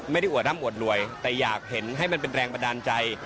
อวดอ้ำอวดรวยแต่อยากเห็นให้มันเป็นแรงบันดาลใจ